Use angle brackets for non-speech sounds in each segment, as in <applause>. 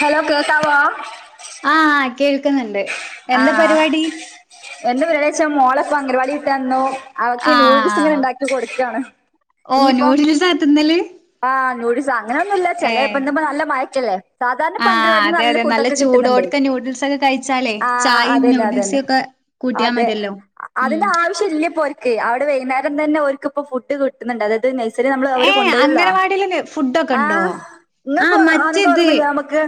Hello കേൾക്കാമോ ആഹ് കേൾക്കുന്നുണ്ട് എന്താ പരിപാടി എന്താ പരിവദ്യേച്ച മോള്പ്പോ അംഗരവാടി വിട്ടു വന്നു അവക്കെ നുഡൽസ് ഇങ്ങനെ ഉണ്ടാക്കി കൊടുക്കയാണ് ഇനിയിപ്പം ദാ തിന്നല് ആഹ് നൂഡിൽസാ അങ്ങനൊന്നും ഇല്ല ചെലേപ്പന്ന് പ്പൊ നല്ല മഴെക്കെല്ലേ ആഹ് അതെ അതെ നല്ല ചൂടോട്ക്കെ ന്യുഡിൽസൊക്കെ കഴിച്ചാലേ ചായിം ന്യൂഡിൽസ്ക്കെ കൂട്ടിയാ മതിയല്ലോ അതിന്റെ ആവശ്യം ഇല്ല്യപ്പോര് ക്ക് അവടെ വൈക്ന്നരം തന്നെ ഓൽക്ക് പ്പൊഫുഡ് കിട്ട്ന്ന്ണ്ട് അതായത് നെഴ്സറി നമ്മള് അവര് കൊണ്ട് ണ്ടെരൊല്ലോ ആഹ് ഇങ്ങക്ക് ആന്നൊക്കെ ഒർമ്മല്ല്യാ നമക്ക്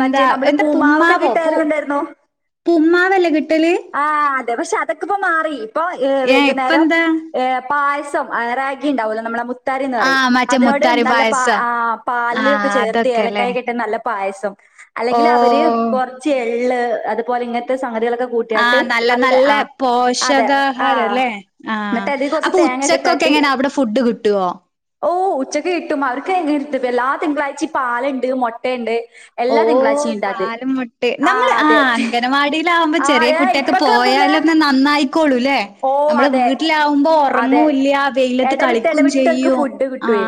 മറ്റേ നമ്മള് പൂമാവൊക്കെ കിട്ടാര്ഇണ്ടേര്ന്നു തിന്നാനല്ലെ കിട്ടല് ആഹ് അതെ പക്ഷെ അതൊക്കെ ഇപ്പ മാറി ഇപ്പൊ വൈക്ന്നേരം ഏഹ് പായസം എഹ് റാഗി ഇണ്ടാവൂലെ നമ്മളെ മുത്താരി എന്ന് പറയും അതിനോട് നല്ല പാ ആഹ് പാൽല് ഒക്കെ ചേർത്ത് ഏലക്കായിക്കെ ഇ ട്ട് നല്ല പായസം അല്ലെങ്കില് അവര് കൊറച്ച് എള്ള് അത്പോലെ ഇങ്ങൻത്തെ സംതികളൊക്കെ ആഹ് നല്ല നല്ല പോഷകാഹാരം അല്ലേ ആഹ് അപ്പൊ ഉച്ചക്കൊക്കെ എങ്ങനാ അവിടെ ഫു ഫുഡ് കിട്ടോ ഓഹ് ഉച്ചക്ക് കിട്ടും അവർക്ക് എങ്ങനിം ഇട്ത്തെക്കും എല്ലാ തിങ്കളാഴ്ചി പാല്ണ്ട് മൊട്ടയ്ണ്ട് ഓഹ് പാലും മുട്ടീം നമ്മള് ആഹ് അംഗനവാടിയിലാകുമ്പോ ചെറ്യേ കുട്ട്യാ ക്ക് പോയാലൊന്ന് നന്നായിക്കോളൂല്ലേ നമ്മളെ വീട്ടിലാവുമ്പോ ഒറങ്ങുല്ല്യാ വെയ്ലത്ത് കളിക്കും ചെയ്യും ക്കെകിട്ടൊയ്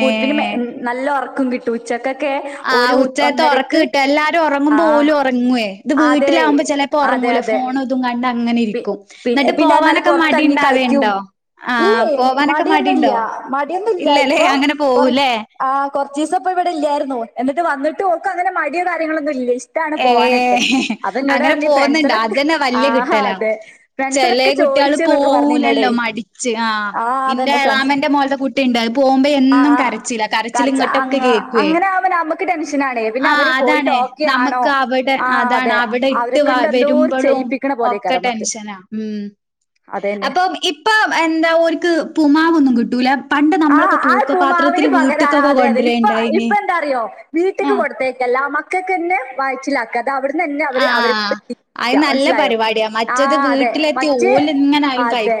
ഫുഡ്ഡിന് മെ നല്ല ഒറക്കം കി ട്ടും ഉച്ചക്കൊക്കെ ഒരു ഒന്നരക്ക് ആഹ് അതെയ് അതെ അതെ പി പി പിന്നെ അർഞ്ഞാല് പൊർത്തെറങ്ങി കളിക്ക്യും ഇല്ലെയ് മടിയൊന്നും ഇല്ല്യ മടി ഒന്നും ഇല്ല ഇപ്പൊ കൊറ് ആഹ് കൊർച്ചിസംപ്പൊ ഇവടെ ഇല്ല്യായ്രുന്നു എന്ന്ട്ട് വന്ന്ട്ട് ഓൾക്കങ്ങനെ മടിയോ കാര്യങ്ങളൊന്നും ഇല്ലെയ് ഇഷ് ഏഹ് അങ്ങനെ പോവ്ന്ന്ണ്ടാ അതന്നെ വല്ല്യെ കിട്ടെലാ ചെലേ കുട്ട്യാള് പോവൂലല്ലോ മടിച്ച് ആഹ് ഇന്റെ എളാമന്റെ മോൾടെ കു ട്ടിണ്ട് അഹ് പോവുമ്പ എന്നും കരച്ചിലാ കരച്ചില് ഇങ്ങട്ടൊക്കെ കേക്ക് വേ ആഹ് അതാണ് നമ്ക് മ്മക്ക് അവ്ടെ അതാണ് അവ്ടെ ഇട്ട് വ വെരുമ്പളും ഒക്കെ ടെൻഷനാ ഉം അപ്പം ഇപ്പ എന്താ ഓര്ക്ക് പ്പ്മാവൊന്നും കിട്ടൂല ആഹ് ആ പ്പുമാവിന് പകരാണ് ആഹ് അതെ അതെ ഇപ്പം ഇപ്പ എന്താറിയോ വീട്ട്ക്ക് കൊട്ത്തേയ്ക്കല്ല മക്ക ക്കക്കെന്നെ വയറ്റിലാക്കാ അത് അവിട്ന്നെന്നെ അവര് അവരെ കൊണ്ട് തി റ്റ മനസ്സിലായോ ആഹ് അതെ മറ്റ് അതെ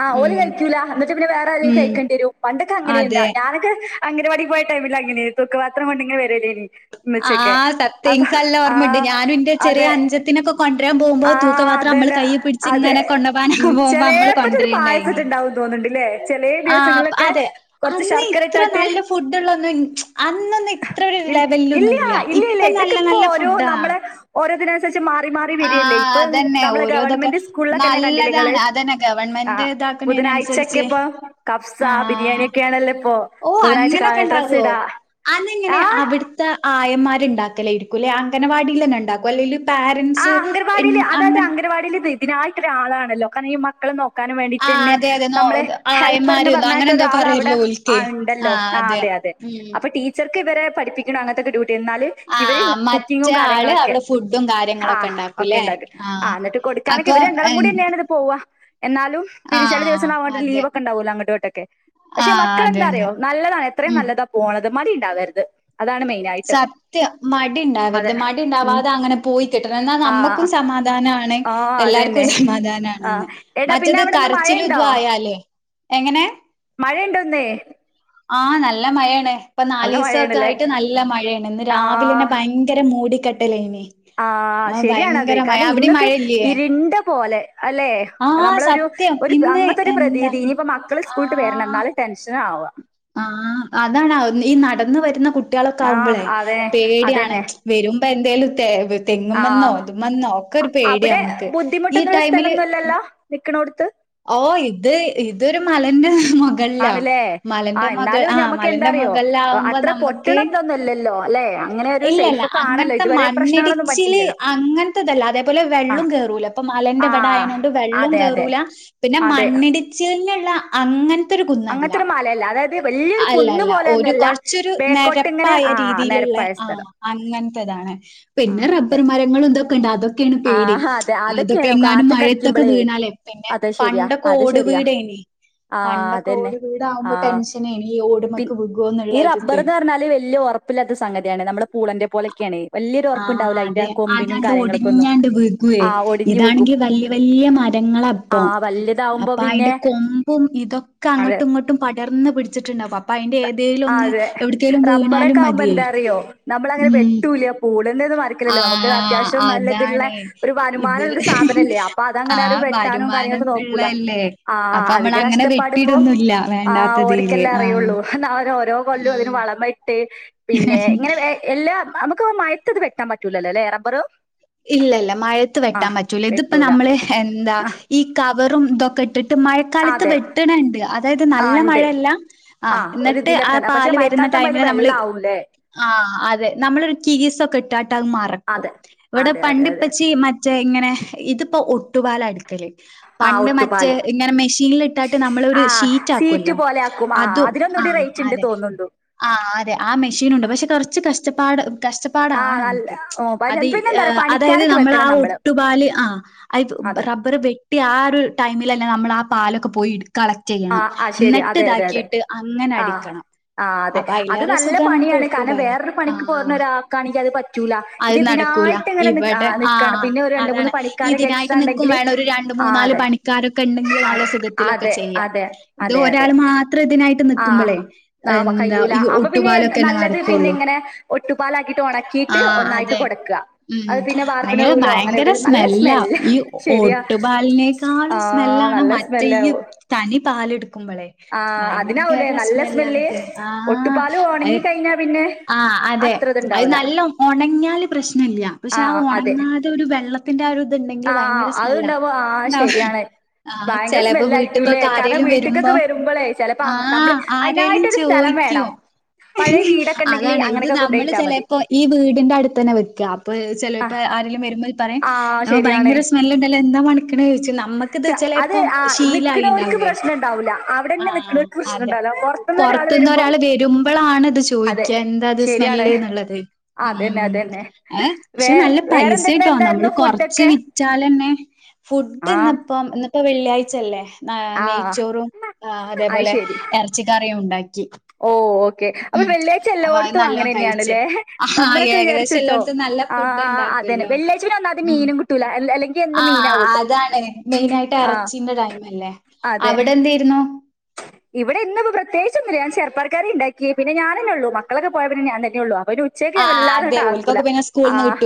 ആഹ് ഓല് കയിക്കൂല ന്നട്ട് പിന്നെ വേറെ ആരേലും കഴിക്കെണ്ട്യെരും പണ്ടൊക്കെ അങ്ങനേര്ന്ന ഞാനൊക്കെ അങ്കനവാടി പോയ ടൈമില് അങ്ങനേയ്ന്ന് തൂക്കപാത്രം കൊണ്ട്ഇങ്ങനെ വെരലേയ്നി മ്മച്ചിയൊക്കെ അപ്പൊ ആഹ് അതെ ആഹ് അതന്നെ അതെ ഉം ചെലേപ്പറ്റെരു പായസൊക്കെണ്ടാവും തോന്ന്ണ്ട്ല്ലേ ചെലേ ദിവസങ്ങൾളൊ അതെ അന്ന് ഇത്ര നല്ല ഫുഡ് ഇള്ളൊന്നും അന്നൊന്നും ഇത്ര ഒരു ലെവലിലൊന്നുംഇല്ല്യാ ഇല്ല ഇല്ല ഇതൊക്കെ ഇപ്പൊ ഓരോ നമ്മളെ ഓരോ ഇതിനനുസരിച്ച് മാറി മാ റി വെരല്ലേ ഇപ്പഅഹ് നമ്മളെ ഗവൺമെന്റ് സ്കൂൾളൊക്കെന്നെ കണ്ടിലെ ഇങ്ങള് ആഹ് ബുധനാഴ്ചൊക്കെപ്പൊ കഫ്സ ബിരിയാണി ഒക്കെയാണല്ലേ ഇപ്പോ ഓഹ് അങ്ങനൊക്കെണ്ടാവോ അതെങ്ങനെ അവിട് ത്തെ ആയമ്മാര് ഇണ്ടാക്കലേര്ക്കുംല്ലെ അംഗനനവാടിയിലെന്നെ ഇണ്ടാക്കൊ അല്ലെയ്ല് ആഹ് അംഗനവാടില് അതെ അതെ അംഗനവാടില് ഇത്‌ ഇതിനായിട്ടൊരാളാണല്ലോ കാരണം ഈ മക്കളെ നോ ക്കാനും വേണ്ടിട്ടന്നെ നമ്മളെ ഹെൽപ്പർ ന്ന് പർഞ്ഞാട്ട് ഒരാള അവടെ ആ ഇണ്ടല്ലോ ആ അതെ അതെ ഉം ച്ചർക്ക് ഇവരെ പഠിപ്പിക്ക്ണ അങ്ങൻത്തെക്കെ ഡ്യൂട്ടി എന്നാല് ഇവര് കുക്കിങ്ങും കാര്യങ്ങളൊക്കെ ഫുഡും കാര്യ ആ ഒക്കെ ഇണ്ടാക്ക ആ ന്നട്ട് കൊട്ക്കാനൊക്കെ ഇവര് രണ്ടാളും കൂടിയന്നെണ് പോവ എന്നാലും പിരി ചെല ദിവസം അങ്ങോട്ട് ലീവ് ഒക്ക ഇണ്ടാവോലോ അങ്ങട്ട് ഇങ്ങട്ടൊക്കെ പക്ഷെ മക്കളന്താറിയോ നല്ലതാണ് എത്രയും നല്ലതാ പോണത് മടി ഇണ്ടാവര്ത് അതാണ് മെയിൻ സത്യം മടി ഇണ്ടാവര്ത് മടി ഇണ്ടാവാതെ അങ്ങനെ പോയി കിട്ടണം ന്നാ നമ്മക്കും സമാധാനാണ് എല്ലാര്ക്കും സമാധാനാണ്ന്ന് മറ്റത് കരച്ചിലു ഇതു ആയാലെ എങ്ങനെ മഴ ഇണ്ടോ ന്ന് ആ നല്ല മയേണ് ഇപ്പ നാലീസക്ക ആയിട്ട് നല്ല മയേണ് ഇന്ന് രാവിലന്നെ ഭയ ങ്കര മൂടി കെട്ടലേനി ആ ശരിയാണത് കാരണം ഇന്നൊക്കെ ഇര്ണ്ട പോലെ അല്ലെ നമ്മളൊരു ഒരു അങ്ങൻത്തൊരു പ്രതീതി ഇനിയിപ്പോ മക്കള് സ്കൂൾട്ട് വര്ണം ന്നാലെ ടെൻഷന ആവ ആ അതാണ് ആവുന്നെ ഈ നടന്ന് വരുന്ന കു കുട്ടിയളൊക്ക ആവുമ്പളേ പേടിയാണ് വരുമ്പ എന്തേലും തെ തെങ്ങുമ്മന്നോ ഇത് മന്നോ ഒക്കര് പേടിയ നമ്മക്ക് ഈ ടൈമില് നിക്ക്ണോട്ത്ത് ഓ ഇത് ഇതരു മലന്റെ മൊ ഗൾലോ മലന്റെ മൊഗൾ ആ മലന്റെ മൊഗൾലാവുമ്പ നമ്മക്ക് ല്ലല്ലോ അല്ലെ ഇല്ലല്ല അങ്ങൻത്ത മണ്ണിടിച്ചില് അങ്ങൻത്തെതല്ല അതേപോലെ വെള്ളും കേറൂല പ്പം മലന്റെ ഇവടായനോണ്ട് വെള്ളും കേറൂല പിന്നെ മണ്ണിടിച്ചിൻന്ള്ള അങ്ങൻത്തെരു കുന്നല്ല അല്ലല്ല ഒരു കൊർച്ചൊരു നേര പ്പായ രീതിയില്ള്ളെ ആ അങ്ങൻത്തതാണ് പിന്നെ റബ്ബർ മരങ്ങളും ഇതൊക്കെണ്ട് അതൊക്കെണ് പേടി അതൊക്കെ എങ്ങാനും മഴത്തൊക്കെ വീണാലേ പിന്നെ പണ്ടൊക്കെ ഓട് വീടേനി ആ അത് ഓട് വീട് ആവുമ്പ ടെൻഷനേനി ഈ ഓട്മക്ക് വികോന്നുള്ളരുത് പർഞാല് വല്ല്യ ഒറപ്പില്ലാത്ത സംഗതിയാണ് നമ്മള് പൂളന്റെ പോലെക്കെണെ ആ അതെ അതാണ്ട് ഒടിഞ്ഞാണ്ട് വികോയ്‌ ഇതാണെങ്കി വല്ല്യ വല്ല്യ മരങ്ങള പ്പം അപ്പ അയിന്റെ കൊമ്പും ഇതൊക്കെ അങ്ങട്ടും ഇങ്ങട്ടും പടർന്ന് പിട്ച്ട്ട്ണ്ടാവ അപ്പ അഴിന്റെ ഏതെലു ഒന്ന് എവിട്ക്കെലും വീണാലും മതിയേ ഉം കൂടല്ലേ ഒരു മര ക്ക്നല്ലെ നമുക്ക് അത്യാവശ്യം നല്ലതിൻള്ളെ ഒരു വരുമാനള്ള സാധനല്ലേ അപ്പ അതങ്ങനാരു വെട്ടാനും കാര്യങ്ങൾക്കെ നോ ളല്ലേ അപ്പം നമ്മളങ്ങനെ വെട്ടിടൊന്നുല്ല വേണ്ടാത്തതില് ആ <unintelligible> ഓരോ കൊല്ലും അതിന് വളമ ഇട്ട് പിന്നെ ഇങ്ങനെ വെ എല്ലാ നമുക്ക് മഴത്ത് ഇത് വെട്ടാം പറ്റൂലല്ലോലെ റബറും ഇല്ല ഇല്ല മഴത്ത് വെട്ടാം പറ്റൂല ഇത്പ്പ നമ്മള് എന്താ ഈ കവറും ഇതൊക്ക ഇട്ട് ട്ട് മഴക്കാലത്ത് വെട്ട്ണ് ണ്ട് അതായത് നല്ല മഴ അല്ല ആ ന്നട്ട് ആ പാല് വെ വെട്ട്ന്ന ടൈമില് നമ്മള് ആ അതെ നമ്മളരു കീസൊക്കെ ഇട്ടാട്ട് അത് മറക്കും ഇവടെ പണ്ട് ഇപ്പച്ചി മറ്റേ ഇങ്ങനെ ഇത്പ്പോ ഒട്ടുപാല ഇട്ക്കല് പണ്ട് മറ്റേ ഇങ്ങനെ മെഷീൻൽ ഇട്ടാട്ട് നമ്മളൊരു ഷീറ്റ് ആക്കോല്ലോ അതും ആ ചിണ്ട് തോന്നോണ്ടു ആഹ് അതെ ആ മെഷീൻണ്ട് പക്ഷെ കുറച്ച് കഷ്ടപ്പാട് കഷ്ടപ്പാടാണ് നമ്മുക്ക് അത് ഏഹ് അതായത് നമ്മളാ ഒട്ടുപാല് ആഹ് അയ്ത് റബ്ബർ വെ ട്ടി ആ ഒരു ടൈമിലല്ലെ നമ്മളാ പാലൊക്കെ പോയി ഇഡ് കള ക്റ്റ്‌ ചെയ്യണം ന്നട്ട് ഇതാക്കിയിട്ട് അങ്ങനെ അടിക്കണം ആഹ് അതെ അത് നല്ല പണിയാണ് കാരണം വേറൊരു പണിക്ക് പോകുന്ന ഒരാൾക്കാണക്കി അത് പറ്റൂല ഇത് ഇതിനാ ക്കൂല ഇവിടെ ആഹ് അതാണ് ഇതിനായിട്ട് നിക്കും വേണം ഒരു രണ്ട് മൂന്നാല് പണി ക്കാരൊക്കെ ഉണ്ടെങ്കിൽ നല്ല സുഖത്തിലൊക്കെ ചെയ്യാം ഇത് ഒരാള് മാത്രം ഇതിനായിട്ട് ഇട്ട് നിക്കുമ്പളേ എന്താ ഈ ഒട്ടുപാലൊക്കെ ല്ലേ നടക്കുവൊള്ളൂ ഒട്ടുപാലാക്കിട്ട് ഒണക്കിയിട്ട് ഒന്നായിട്ട് കൊടുക്കുക ഉം ഭയങ്കര ഭയങ്കര സ്മെല്ലാ ഈ ഒട്ടുപാലിനെ ക്കാളും സ്മെല്ലാണ് മറ്റേ ഈ തനി പാലെടുക്കുമ്പോളെ ഭയങ്കര സ്മെല്ലാണത് ആഹ് അത് ആഹ് അതെ അത് നല്ലം ഒണങ്ങിയാല് പ്രശ്ന ഇല്ല പക്ഷെ ആ ഒണങ്ങാതെ ഒരു വെള്ളത്തിന്റെ ആ ഇത്ണ്ടെങ്കില് ഭയങ്കര സ്മെല്ലാ <unintelligible> ആഹ് ചെലപ്പോ വീട്ടിക്കൊക്കാരേലും വരുമ്പോ ആഹ് ആരെലും ചോയിക്കും അതാണ് ഇത് നമ്മള് ചിലപ്പോ ഈ വീടിന്റെ അടുത്ത് തന്നെ വെക്ക അപ്പൊ ചെലപ്പോ ആരേലും വരുമ്പോ പറയും അപ്പ ഭയങ്കര സ്മെല്ലുണ്ടല്ലോ എന്താ മണക്കണെ ചോദിച്ച നമ്മ നമുക്കിത് ചെലപ്പം ശീലായിണ്ടാവേ ആഹ് അതെ പൊറത്തുന്നൊരാള് വരുമ്പളാണ് ഇത് ചോയിക്ക എന്താത് സ്മെല് എന്നുള്ളത് ഉം ഏഹ് പക്ഷെ നല്ല പൈസ ട്ടോ നമ്മള് കൊറച്ച് വിറ്റാലന്നെ ഫുഡ്ന്നപ്പം ഇന്ന് ഇപ്പൊ വെള്ളിയാഴ്ചല്ലേ നാ നെയ്ച്ചോറും ആഹ് അതേപോലെ ഇറച്ചിക്കറിയും ഉണ്ടാക്കി ഓഹ് ഓക്കെ അപ്പൊ വെള്ളിയാഴ്ച എല്ലോടത്തും അങ്ങനെ തന്നെയാണല്ലേ നമ്മളൊക്കെ വിചാരിച്ചിട്ടോ ആഹ് അതന്നെ വെള്ളിയാഴ്ച ന്നാതി മീനും കിട്ടൂല്ല ആഹ് ആഹ് അതാണ് മെയിനായിട്ട് ഇറച്ചിന്റെ ടൈം അല്ലേ അവടെന്തെരുന്നു ഇവടെ ഇന്നിപ്പോ പ്രത്യേകിച്ചൊന്നുല്ല ഞാൻ ചെറു പർക്കറി ഇണ്ടാക്കി പിന്നെ ഞാൻ തന്നെയുള്ളൂ മക്കളൊക്കെ പോയാ പിന്നെ ഞാ തന്നെ ഒള്ളൂ അവര് ഉച്ചക്ക് ഞാൻ വല്ലാതട്ട് ആക്കൂല ആഹ്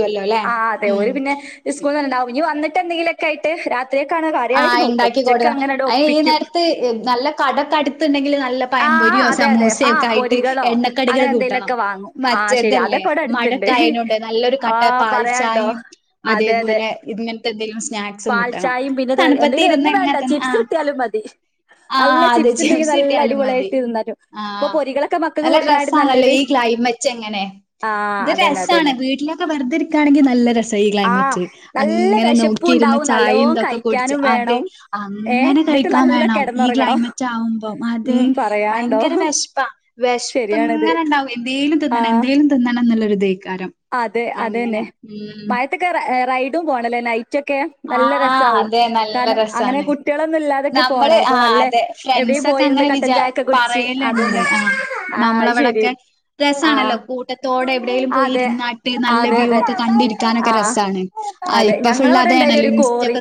ആഹ് അതെ ഓല് പിന്നെ ഇസ്കൂളന്ന് വന്നണ്ടാവും ഇനി വന്നിട്ടന്തെങ്കിലൊക്ക ആയിട്ട് രാത്രിക്കാണോ കാര്യായിട്ട് നോക്കും ഉച്ചക്കെ അങ്ങനട് ഒപ്പിക്കും ഏഹ് നല്ല കടക്കടുത്തുണ്ടെങ്കില് നല്ല പയംമ്പൊരിയോ സമൂസയോ ഒക്കായിട്ട് എണ്ണക്കടികള് കൂട്ടണം മറ്റേതല്ലേ മഴ എന്നിട്ടയിനൂടെ നല്ലൊരു കട്ട പാൽച്ചായിം അതേപോലെ ഇങ്ങനത്തെ എന്തെങ്കിലും സ്നാക് പാൽച്ചായും പിന്നെ ഇത് എന്തെങ്കിലും ഒന്നും വേണ്ട ചിപ്സ് കിട്ടിയാലും മതി നല്ല ചിപ്സ് ഇണ്ടെങ്കി നല്ല അ ടിപൊളിയായിട്ട് തിന്നാലോ ഇപ്പൊ പൊരികളൊക്കെ മക്കക്ക് കൊടുക്കണാട്ടി നല്ലത് ഇത് രസാണ് വീട്ടിലൊക്കെ വെറുതെരിക്കാണെങ്കി നല്ല രസാ ഈ ക്ലൈമറ്റ് അങ്ങനെ നോക്കി യിര്ന്ന് ചായന്തൊക്കെ കുടിച്ച് അതെ അങ്ങനെ കഴിക്കാൻ വേണം ഈ ക്ലൈമ റ്റാവുമ്പം ആഹ് ഭയങ്കര വെശപ്പാ വെശ്പ്പ് ഇങ്ങനെ ഇണ്ടാവും എന്തേലും തിന്നണം എന്തേലും തിന്നണം തിന്നണം എന്നുള്ളൊരു <unintelligible> അതെ അതെന്നെ മയത്തൊക്കെ റ ഏഹ് റൈഡും പോണം അല്ലേ നൈറ്റൊക്കെ നല്ല രസാവും കാരണം അങ്ങനെ കുട്ട് കുട്ടികളൊന്നും ഇല്ലാതൊക്കെ പോണം അപ്പൊ നല്ല എവിടെയും പോയിര്ന്ന് കട്ടൻ ചായക്കെ കുടിച്ച് അത് തന്നെ ആഹ് ശരി ആഹ് അതെ ആഹ് അതെ അതെ ആഹ് അതെ ഞങ്ങള അവിടെ ഉണ്ടായിനി ഒരു കോറി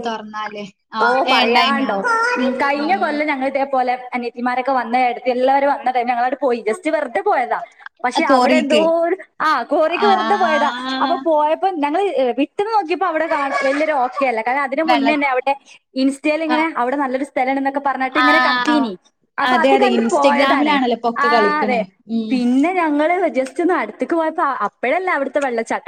ഓഹ് പറയാണ്ടോ കഴിഞ്ഞ കൊല്ലം ഞങ്ങ ഇതേപലെ അനയത്തിമാരൊക്കെ വന്ന ഏട്ടത്തി എല്ലാവരും വന്നടൈമില് ഞങ്ങളട് പോയി ജസ്റ്റ് വെറുതെ പോയതാ. പക്ഷെ അവിടെ എന്തോര് ആ കോറീക്ക് വെറുതെ പോയതാ അപ്പൊ പോയപ്പോ ഞങ്ങള് വിട്ട്ന്ന് നോക്കിയപ്പോ അവിടെ കാണാ വലിയൊരു ഓക്കയല്ല കാരണം അതിന് മുന്നന്നെ അവിടെ ഇൻസ്റ്റയിൽ ഇങ്ങനെ അവിടെ നല്ലൊരു സ്ഥലം എന്നൊക്കെ പറഞ്ഞിട്ട് ഇങ്ങനെ കത്തീനി അപ്പൊ അത് കണ്ട് പോയതാണ് ആഹ് അതെ പിന്നെ ഞങ്ങള് ജസ്റ്റ് ഒന്ന് അടുത്തിക്ക് പോയപ്പോ അപ്പോഴല്ല അവിടുത്തെ വെള്ളച്ചാട്ട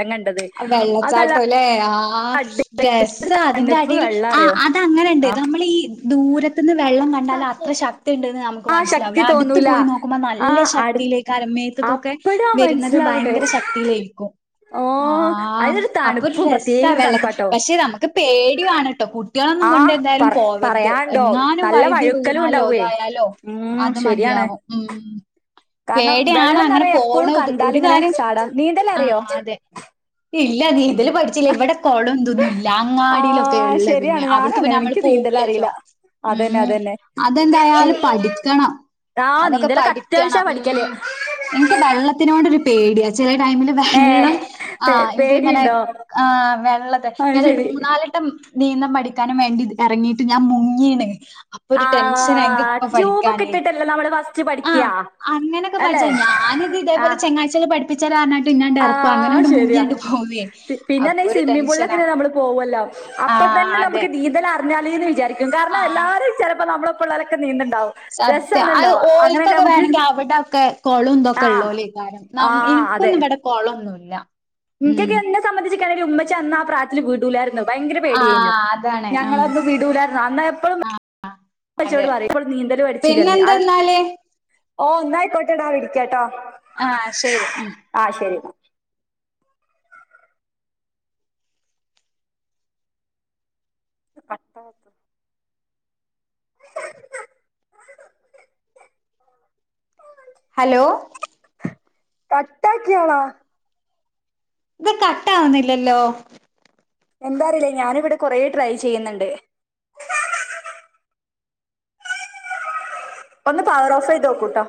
വെള്ളച്ചാട്ടംല്ലേ ആഹ് രസ അതിന്റെ അടിൽ ആഹ് അങ്ങനെണ്ട് നമ്മൾ ഈ ദൂരത്ത നിന്ന് വെള്ളം കണ്ടാല് അത്ര ശക്തിയ ഉണ്ടന്ന് നമുക്ക് മനസ്സിലാവൂല്ല അടുത്ത് പോയി നോ ക്കുമ്പോ നല്ല ശക്തിയിലേക്കാരം, മേത്തക്കൊക്കെ വരുന്നത് ഭയങ്കര ശക്തിയിലേരിക്കും. ആഹ് അപ്പൊ ഒരു രസാ വെള്ളത് പക്ഷെ നമുക്ക് പേടി വാണ് ട്ടൊ, കുട്ട് കുട്ടികളൊന്നും കൊണ്ട് എന്തായാലും പോകരുത് എങ്ങാനും വൈദ്യു വീണാലോ ഇതായാലോ അത് മതിയാവും. ഉം പേടയാണ അങ്ങനെ പോണ ഒരു കാര്യം ആഹ് അതെ ഇല്ല നീന്തല് പഠിച്ചില്ല എവിടെ കൊളം തൊന്നും ഇല്ല ലാങ്ങാടിയിലൊക്കെ ഉള്ള പിന്നെ അവിടുക്ക് പിന്നെ നമ്മള് പോവില്ലല്ലോ? ഉം അതെന്തായാലും പഠിക്കണം. അതൊക്കെ പഠിക്കണം, ഉം ഇൻക്ക് വെള്ളത്തിനോടൊരു പേടിയാ ചില ടൈമില് ഏഹ് ആഹ് ഇൻക്ക് ഇങ്ങനെ ആഹ് വെള്ളത്തെ മൂന്ന ന്നാലട്ടം നീന്തം പഠിക്കാനും വേണ്ടി ഇറങ്ങിയിട്ട് ഞാൻ മുങ്ങീണ്. ഒരു ടെൻഷന ഇൻക് ഇപ്പൊ പഠിക്കാനെ ആഹ് അങ്ങനെ പഠിച്ച ഞാന് ഇതേപലെ ചങ്ങാഴ്ച്യാള് പഠപ്പിച്ചരാർഞ്ഞട്ട് ന്നാണ്ട് എർക്കും അങ്ങനാണ്ട് മുങ്യാണ്ട് പോവേ പിന്നെർഞ ഈ സ്വിമ്മി പൂളിലൊക്കെ നമ്മള് പോവല്ലോ അപ്പൊ തന്നെ നമുക്ക് നീന്തൽറിഞ്ഞാലൽീ എന്ന് വിചാരിക്കും കാരണം എല്ലാരും ചിലപ്പോ നമ്മളെപ്പോള്ളരൊക്കെ നീന്തണ്ടാവും. സത്യം അത് ഓൽക്കൊക്കെ വേണങ്കിൽ അവിടെക്കെ കൊളം തൊക്കെ ഉള്ളൂല്ലേക്കാരം. ന്ന ഇനിക്കൊന്നും ഇവിടെ കൊളൊന്നുല്ല. എനിക്കൊക്കെ എന്നെ സംബന്ധിച്ച് കാര്ണ ഉമ്മച്ചി അന്ന് ആ പ്രായത്തില് വീടൂല്ലായിരുന്നു. ഭയങ്കര പേടായിഞ്ഞു ഞങ്ങളന്ന് വീടൂലായിരുന്ന്, അന്നാ എപ്പോഴും ചിയോട് പറയും ഇപ്പളും നീന്തല് പ ടിച്ചില്ലന്ന്. അയ് ഓഹ് ഇന്നായിക്കോട്ടെടാ വിടിക്കാട്ടോ. ആഹ് ശരി ഉം ആഹ് ശരി ന്ന കട്ടാ ഹലോ കട്ടാക്കിയാളാ ഇത് കട്ട ആവുന്നില്ലല്ലോ എന്താറീല? ഞാനിവിടെ കൊറേ ട്രൈ ചെയ്യുന്നുണ്ട്. ഒന്ന് പവറോഫ് ചെയ്തോക്കൂ ട്ടോ?